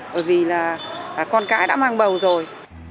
bởi vì là con cái đã mang bầu rồi